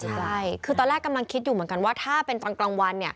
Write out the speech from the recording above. ใช่คือตอนแรกกำลังคิดอยู่เหมือนกันว่าถ้าเป็นตอนกลางวันเนี่ย